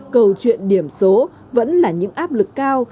câu chuyện điểm số vẫn là những áp lực cao